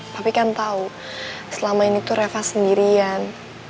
papi kan tau selama ini tuh reva sendirian